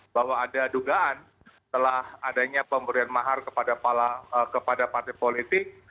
bahwa ada dugaan telah adanya pemberian mahar kepada partai politik